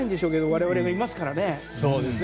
我々がいますからね。